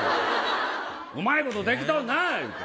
うまいことできとんなって。